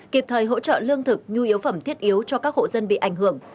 kịp thời hỗ trợ lương thực nhu yếu phẩm thiết yếu cho các hộ dân bị ảnh hưởng